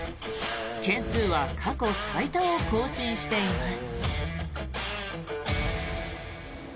件数は過去最多を更新しています。